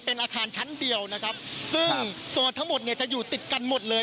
เป็นอาคารชั้นเดียวนะครับซึ่งโซนทั้งหมดเนี่ยจะอยู่ติดกันหมดเลย